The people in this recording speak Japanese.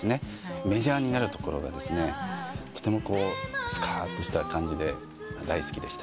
メジャーになるところがとてもすかっとした感じで大好きでした。